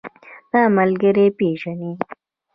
دا ملګری پيژنې؟